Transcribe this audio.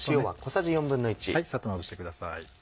サッとまぶしてください。